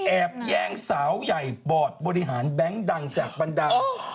แอบแย่งสาวใหญ่บอร์ดบริหารแบงค์ดังจากบรรดา